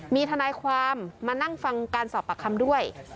มีทนายความมานั่งฟังการสอบปากคำด้วย